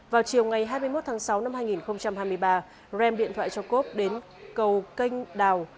vào chiều ngày hai mươi một tháng sáu năm hai nghìn hai mươi ba rem điện thoại cho cope đến cầu canh đào